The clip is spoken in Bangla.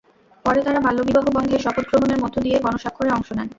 পরে তাঁরা বাল্যবিবাহ বন্ধে শপথ গ্রহণের মধ্য দিয়ে গণস্বাক্ষরে অংশ নেন।